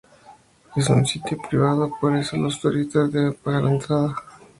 Es un sitio privado por eso los turistas deben pagar la entrada.